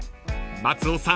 ［松尾さん